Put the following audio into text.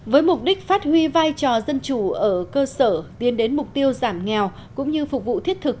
với mục đích phát huy vai trò dân chủ ở cơ sở tiến đến mục tiêu giảm nghèo cũng như phục vụ thiết thực